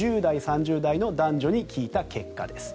２０代、３０代の男女に聞いた結果です。